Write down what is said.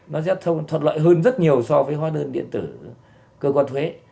nó sẽ thuận lợi hơn rất nhiều so với hóa đơn điện tử cơ quan thuế